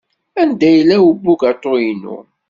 Anda yella ubugaṭu-inu?